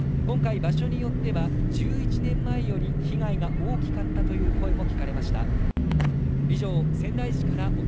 今回場所によっては１１年前より被害が大きかったという声も聞かれました